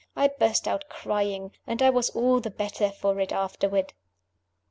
I burst out crying and I was all the better for it afterward!